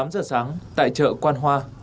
tám giờ sáng tại chợ quan hoa